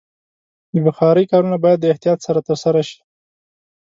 د بخارۍ کارونه باید د احتیاط سره ترسره شي.